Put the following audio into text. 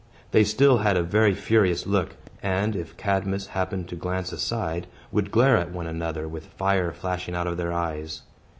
They still had a very furious look, and, if Cadmus happened to glance aside, would glare at one another, with fire flashing out of their eyes.